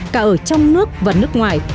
cả ở trong nước và nước ngoài